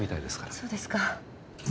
そうですか。